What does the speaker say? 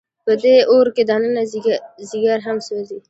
په دې اور کې دننه ځیګر هم سوځي.